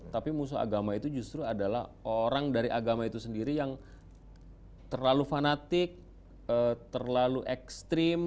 tapi musuh agama itu justru adalah orang dari agama itu sendiri yang terlalu fanatik terlalu ekstrim